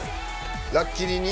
ラッキリに？